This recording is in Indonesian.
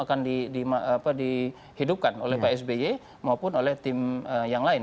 akan dihidupkan oleh psby maupun oleh tim yang lain